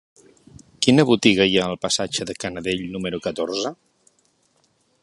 Quina botiga hi ha al passatge de Canadell número catorze?